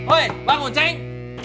oi bangun ceng